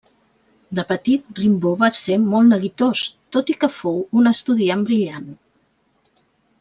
De petit, Rimbaud va ser molt neguitós, tot i que fou un estudiant brillant.